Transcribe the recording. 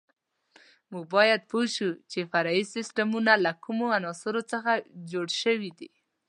موږ باید پوه شو چې فرعي سیسټمونه له کومو عناصرو څخه جوړ شوي دي.